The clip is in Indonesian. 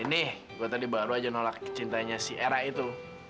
ini gue baru saja nolak cintanya si era itu